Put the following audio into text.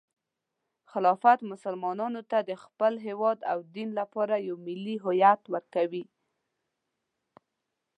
خلافت مسلمانانو ته د خپل هیواد او دین لپاره یو ملي هویت ورکوي.